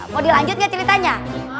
mau dilanjutin ceritanya